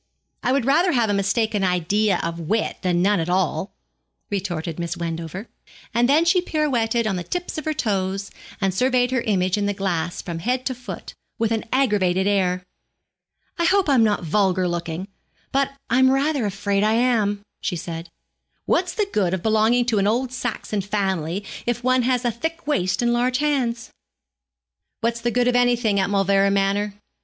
'I would rather have a mistaken idea of wit than none at all,' retorted Miss Wendover, and then she pirouetted on the tips of her toes, and surveyed her image in the glass from head to foot, with an aggravated air. 'I hope I'm not vulgar looking, but I'm rather afraid I am,' she said. 'What's the good of belonging to an old Saxon family if one has a thick waist and large hands?' 'What's the good of anything at Mauleverer Manor?'